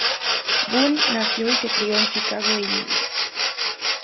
Boon nació y se crio en Chicago, Illinois.